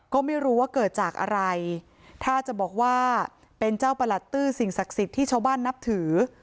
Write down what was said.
ก็ไม่รู้ว่าเกิดจากอะไรถ้าจะบอกว่าเป็นเจ้าประหลัดตื้อสิ่งศักดิ์สิทธิ์ที่ชาวบ้านนับถือ